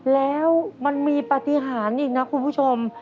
แล้วมันมีปฏิหารอีกนะคุณผู้ชม